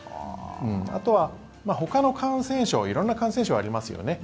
あとは、ほかの感染症色んな感染症ありますよね。